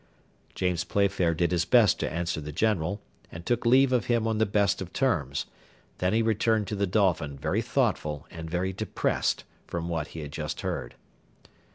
James Playfair did his best to answer the General, and took leave of him on the best of terms; then he returned to the Dolphin very thoughtful and very depressed from what he had just heard.